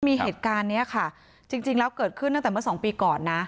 มีเหตุการณ์นี้ค่ะจริงแล้วเกิดขึ้นตั้งแต่เมื่อสองปีก่อนนะ